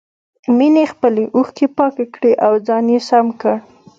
مينې خپلې اوښکې پاکې کړې او ځان يې سم کړ.